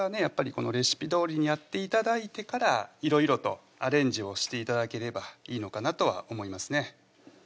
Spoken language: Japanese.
やっぱりレシピどおりにやって頂いてからいろいろとアレンジをして頂ければいいのかなとは思いますね